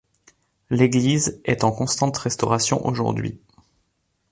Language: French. L'église est en constante restauration aujourd'hui.